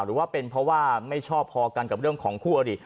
หรือว่าเป็นเพราะว่าไม่ชอบพอกันกับเรื่องของคู่อริ